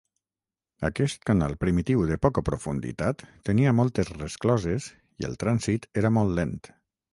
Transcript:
Aquest canal primitiu de poca profunditat tenia moltes rescloses i el trànsit era molt lent.